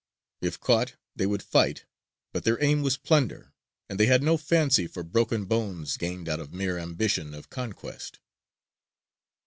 If caught, they would fight; but their aim was plunder, and they had no fancy for broken bones gained out of mere ambition of conquest.